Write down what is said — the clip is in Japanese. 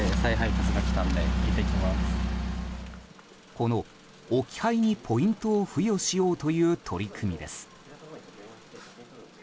この置き配にポイントを付与しようという取り組みです。